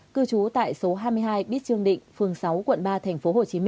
cư trú tại số hai mươi hai bích trương định phường sáu quận ba tp hcm